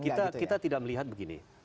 kita tidak melihat begini